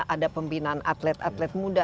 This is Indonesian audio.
ada pembinaan atlet atlet muda